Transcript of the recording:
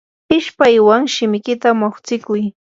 ishpaywan shimikita muqstikuy.